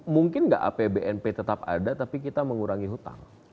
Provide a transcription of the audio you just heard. mungkin nggak apbnp tetap ada tapi kita mengurangi hutang